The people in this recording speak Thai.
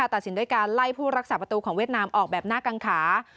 ตัดสินด้วยการไล่ผู้รักษาประตูของเวียดนามออกแบบหน้ากังขา